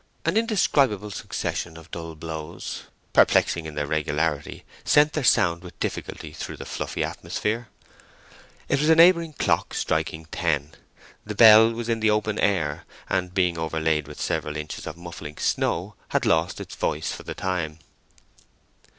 An indescribable succession of dull blows, perplexing in their regularity, sent their sound with difficulty through the fluffy atmosphere. It was a neighbouring clock striking ten. The bell was in the open air, and being overlaid with several inches of muffling snow, had lost its voice for the time.